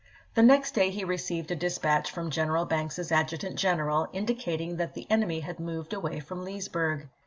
The next day he received a dispatch from General Banks's adju tant general, indicating that the enemy had moved away from Leesburg.